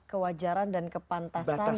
kewajaran dan kepantasan